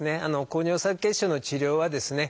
高尿酸血症の治療はですね